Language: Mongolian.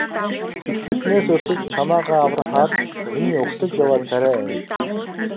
Тэднээс өрсөж чамайгаа аврахаар миний угтаж яваа царай энэ.